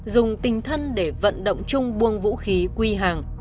dùng tình thân để vận động chung buông vũ khí quy hàng